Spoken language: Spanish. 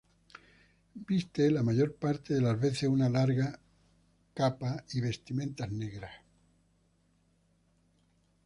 Viste la mayor parte de las veces una larga capa y vestimentas negras.